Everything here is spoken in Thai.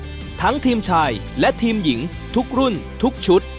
ทั้งทีมชายและทีมหญิงทุกรุ่นทุกชุด